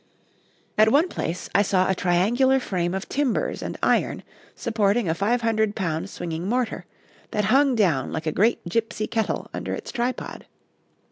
At one place I saw a triangular frame of timbers and iron supporting a five hundred pound swinging mortar, that hung down like a great gipsy kettle under its tripod.